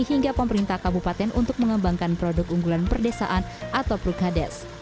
hingga pemerintah kabupaten untuk mengembangkan produk unggulan perdesaan atau prukades